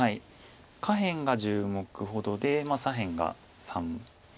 下辺が１０目ほどで左辺が３４目。